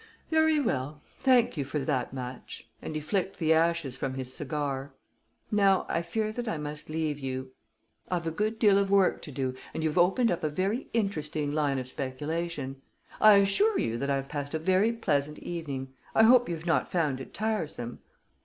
"Very well; thank you for that much," and he flicked the ashes from his cigar. "Now, I fear that I must leave you. I've a good deal of work to do, and you've opened up a very interesting line of speculation. I assure you that I've passed a very pleasant evening. I hope you've not found it tiresome?"